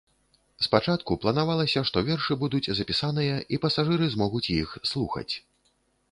Спачатку планавалася, што вершы будуць запісаныя і пасажыры змогуць іх слухаць.